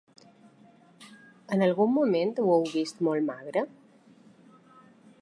En algun moment ho heu vist molt magre?